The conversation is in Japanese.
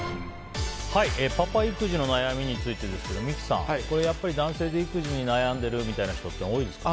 パパ育児の悩みについてですけど三木さん、やっぱり男性で育児に悩んでる人って多いですか。